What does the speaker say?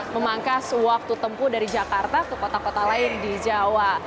memangkas waktu tempuh dari jakarta ke kota kota lain di jawa